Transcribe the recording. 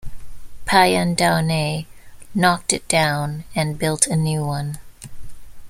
Payan Dawnay, knocked it down, and built a new one.